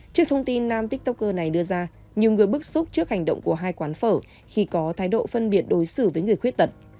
trước thông tin nam tiktoker này đưa ra nhiều người bức xúc trước hành động của hai quán phở khi có thái độ phân biệt đối xử với người khuyết tật